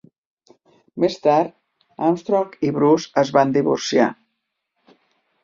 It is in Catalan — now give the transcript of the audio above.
Més tard, Armstrong i Bruce es van divorciar